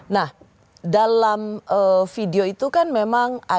nah dalam video itu kan memang ada